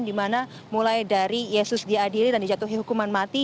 dimana mulai dari yesus diadili dan dijatuhi hukuman mati